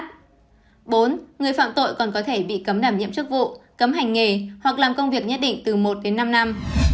trường hợp bảy người phạm tội còn có thể bị cấm đảm nhiệm chức vụ cấm hành nghề hoặc làm công việc nhất định từ một đến năm năm